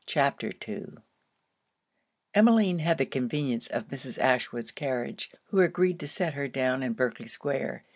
5._ CHAPTER II Emmeline had the convenience of Mrs. Ashwood's carriage, who agreed to set her down in Berkley square.